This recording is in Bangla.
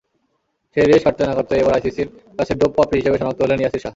সেই রেশ কাটতে না-কাটতেই এবার আইসিসির কাছে ডোপপাপী হিসেবে শনাক্ত হলেন ইয়াসির শাহ।